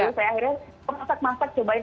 terus saya akhirnya masak masak cobain